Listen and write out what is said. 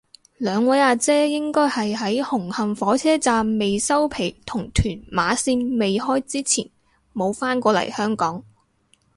兩位阿姐應該係喺紅磡火車站未收皮同屯馬綫未開之前冇返過嚟香港